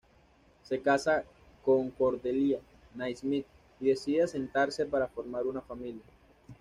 Se casa con Cordelia Naismith y decide asentarse para formar una familia.